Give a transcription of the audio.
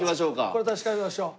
これ確かめましょう。